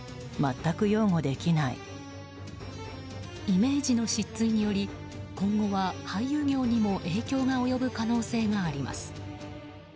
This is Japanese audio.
イメージの失墜により今後は俳優業にも影響が及ぶ可能性があります。